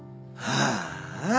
ああ。